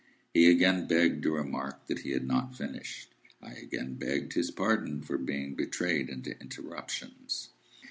He again begged to remark that he had not finished. I again begged his pardon for being betrayed into interruptions.